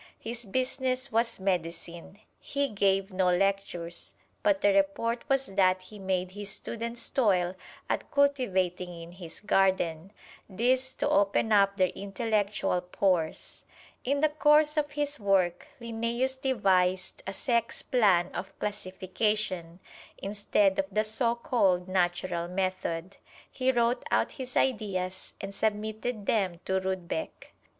His business was medicine. He gave no lectures, but the report was that he made his students toil at cultivating in his garden this to open up their intellectual pores. In the course of his work, Linnæus devised a sex plan of classification, instead of the so called natural method. He wrote out his ideas and submitted them to Rudbeck.